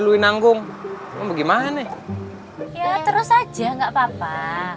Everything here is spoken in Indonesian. luinanggung gimana ya terus aja nggak papa